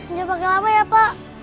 nggak pakai lama ya pak